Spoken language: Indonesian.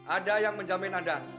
ada yang menjamin anda